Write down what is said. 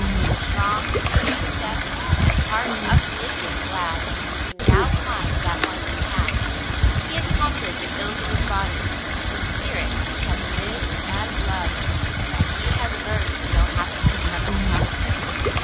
With strong, free step and heart up lifted and glad, he now climbed that winding path. He had conquered the ills of his body, and his spirit had lived and loved, and he had learned to know happiness from 302 The Mountain Girl its counterfeit.